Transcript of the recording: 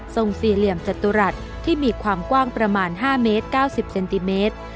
สี่เหลี่ยมจตุรัสที่มีความกว้างประมาณ๕เมตร๙๐เซนติเมตร